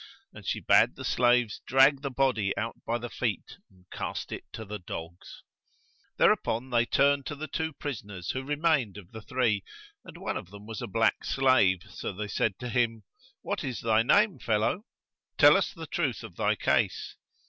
And she bade the slaves drag the body out by the feet and cast it to the dogs. Thereupon they turned to the two prisoners who remained of the three; and one of them was a black slave, so they said to him, What is thy name, fellow? Tell us the truth of thy case."